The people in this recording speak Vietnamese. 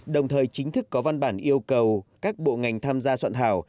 đồng thời chính thức có văn bản yêu cầu các bộ ngành tham gia soạn thảo